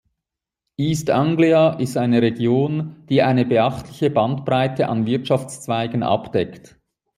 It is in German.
East Anglia ist eine Region, die eine beachtliche Bandbreite an Wirtschaftszweigen abdeckt.